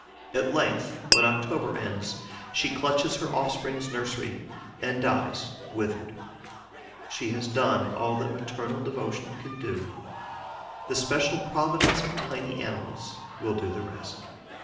At length, when October ends, she clutches her offspring's nursery and dies withered. She has done all that maternal devotion can do; the special providence of tiny animals will do the rest.